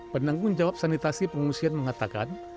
penanggung jawab sanitasi pengungsian mengatakan